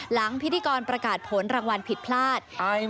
พิธีกรประกาศผลรางวัลผิดพลาด